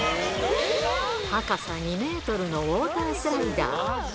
高さ２メートルのウオータースライダー。